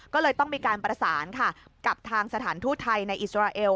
ก็เลยต้องมีการประสานค่ะกับทางสถานทูตไทยในอิสราเอล